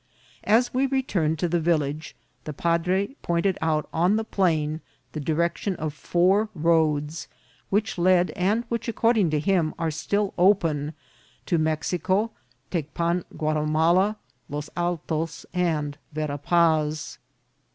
As we returned to the village the padre pointed out on the plain the direction of four roads, which led, and which, according to him, are still open, to Mexico, Tec pan Guatimala, Los Altos, and Vera Paz.